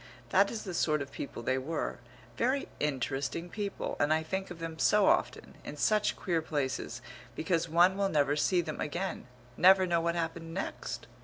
That is the sort of people they were very interesting people, and I think of them so often, in such queer places, because one will never see them again, never know what happened next.